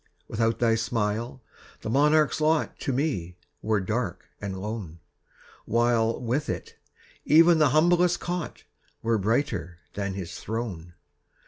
Without thy smile, the monarch's lot To me were dark and lone, While, with it, even the humblest cot Were brighter than his throne.